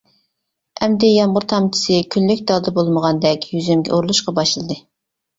ئەمدى يامغۇر تامچىسى كۈنلۈك دالدا بولمىغاندەك يۈزۈمگە ئۇرۇلۇشقا باشلىدى.